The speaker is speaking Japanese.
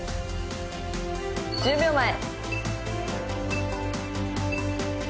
１０秒前。